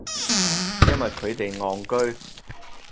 因為佢哋戇居